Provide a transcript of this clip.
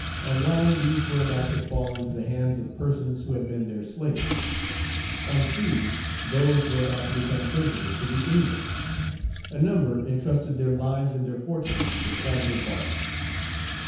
On land these were about to fall into the hands of persons who had been their slaves; on sea those were about to become prisoners to the English. A number intrusted their lives and their fortunes to fragile barks.